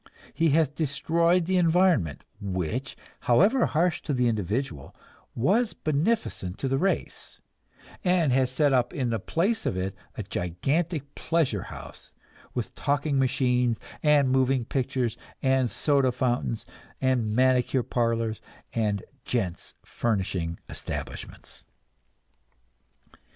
He has destroyed the environment which, however harsh to the individual, was beneficent to the race, and has set up in the place of it a gigantic pleasure house, with talking machines and moving pictures and soda fountains and manicure parlors and "gents' furnishing establishments."